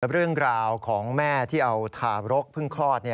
เรื่องราวของแม่ที่เอาทารกเพิ่งคลอด